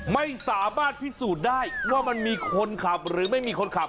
ไม่สามารถพิสูจน์ได้ว่ามันมีคนขับหรือไม่มีคนขับ